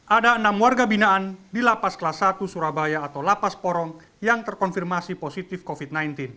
ada enam warga binaan di lapas kelas satu surabaya atau lapas porong yang terkonfirmasi positif covid sembilan belas